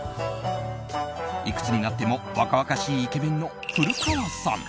いくつになっても若々しいイケメンの古川さん。